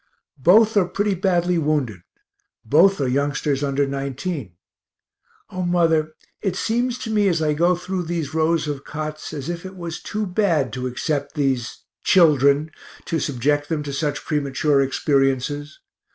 Both are pretty badly wounded both are youngsters under 19. O mother, it seems to me as I go through these rows of cots as if it was too bad to accept these children, to subject them to such premature experiences.